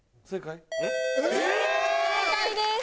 正解です！